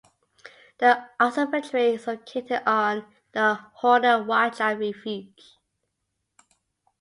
The observatory is located on the Horner Wildlife Refuge.